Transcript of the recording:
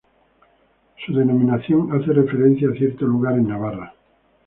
Su denominación hace referencia a cierto lugar en Navarra.